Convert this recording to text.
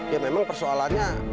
ya memang persoalannya